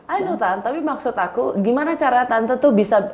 anu tante tapi maksud aku gimana cara tante tuh bisa